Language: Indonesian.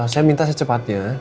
saya minta secepatnya